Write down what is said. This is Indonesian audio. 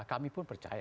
kami pun percaya